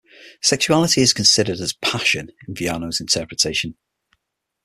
Sexuality is considered as passion in Viano's interpretation.